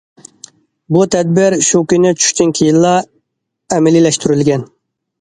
بۇ تەدبىر شۇ كۈنى چۈشتىن كېيىنلا ئەمەلىيلەشتۈرۈلگەن.